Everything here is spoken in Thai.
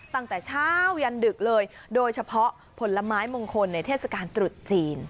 ตั้งแต่เช้ายันดึกเลยโดยเฉพาะผลไม้มงคลในเทศกาลตรุษจีน